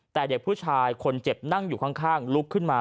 แต่เด็กผู้ชายคนเจ็บนั่งอยู่ข้างลุกขึ้นมา